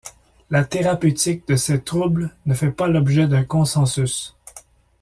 La thérapeutique de ces troubles ne fait pas l'objet d'un consensus.